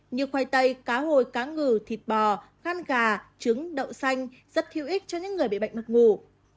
như khoai tây cá hồi cá ngừ thịt bò khăn gà trứng đậu xanh rất hữu ích cho những người bị bệnh mặt ngủ